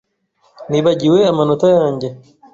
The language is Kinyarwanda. nibagiwe amanota yanjye! ”